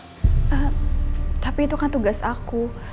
hah tapi itu kan tugas aku